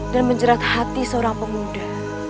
dan menjerat hati seorang pemuda